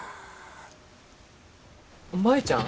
舞ちゃん。